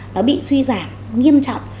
nó bị suy giảm nghiêm trọng